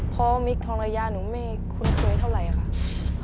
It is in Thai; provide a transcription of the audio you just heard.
เพราะมิคทองระยะหนูไม่คุ้นเคยเท่าไหร่ค่ะ